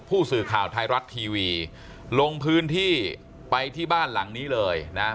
ผู้สื่อข่าวไทยรัฐทีวีลงพื้นที่ไปที่บ้านหลังนี้เลยนะ